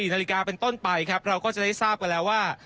นาฬิกาเป็นต้นไปครับเราก็จะได้ทราบกันแล้วว่า